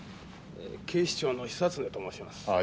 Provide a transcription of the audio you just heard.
警視庁の久恒と申します。